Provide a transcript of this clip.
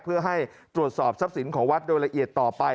เพื่อให้ตรวจสอบทรัพย์สินของวัดโดยละเอียดต่อไป